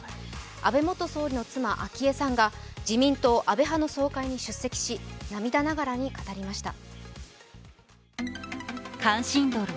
安倍元総理の妻、昭恵さんが自民党・安倍派の総会に出席し涙ながらに語りました。